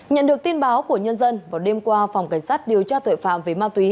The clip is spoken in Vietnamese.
nhận được tin báo của nhân dân vào đêm qua phòng cảnh sát điều tra tội phạm về ma túy